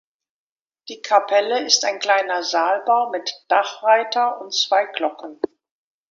Die Kapelle ist ein kleiner Saalbau mit Dachreiter und zwei Glocken.